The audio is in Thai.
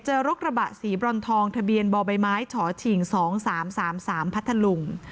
เจอรกระบะสีบรรทองทะเบียนบใบไม้ฉฉ๒๓๓๓พัทธลุง